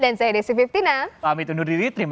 nih gambar disitu nih